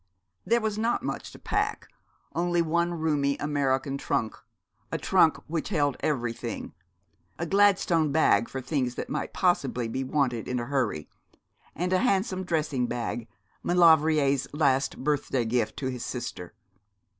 There was not much to pack, only one roomy American trunk a trunk which held everything a Gladstone bag for things that might possibly be wanted in a hurry, and a handsome dressing bag, Maulevrier's last birthday gift to his sister.